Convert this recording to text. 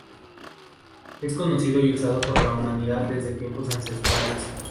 Es conocido y usado por la humanidad desde tiempos ancestrales.